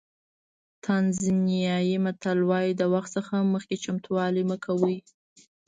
تانزانیایي متل وایي د وخت څخه مخکې چمتووالی مه کوئ.